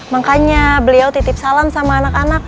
makanya beliau titip salam sama anak anak